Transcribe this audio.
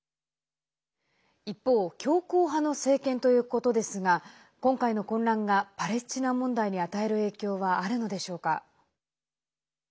一方、強硬派の政権とのことですが今回の混乱がパレスチナ問題に与える影響はあるのでしょうか。